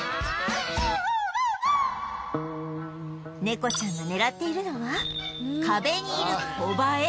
猫ちゃんが狙っているのは壁にいるコバエ